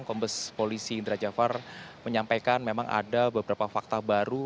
kombes polisi indra jafar menyampaikan memang ada beberapa fakta baru